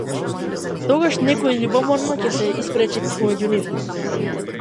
Тогаш некој љубоморно се испречи помеѓу нив.